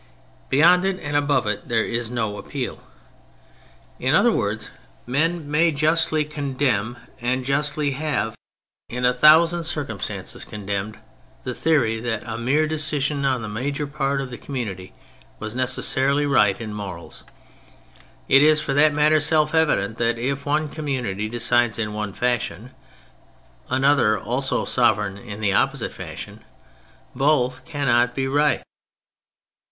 Beyond it and above it there is no appeal. In other words, men may justly condemn. THE, POLITICAL THEORY 17 and justly have in a thousand circumstances condemned, the theory that a mere decision on the major part of the community was necessarily right in morals. It is, for that matter, self evident that if one community decides in one fashion, another, also sovereign, in the opposite fashion, both cannot be right.